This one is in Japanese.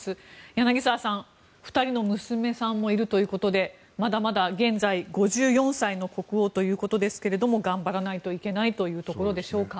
柳澤さん、２人の娘さんもいるということでまだまだ現在、５４歳の国王ということですが頑張らないといけないというところでしょうか。